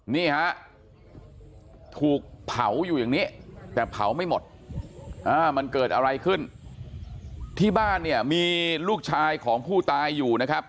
นี่ฮะถูกเผาอยู่อย่างนี้แต่เผาไม่หมดมันเกิดอะไรขึ้นที่บ้านเนี่ยมีลูกชายของผู้ตายอยู่นะครับ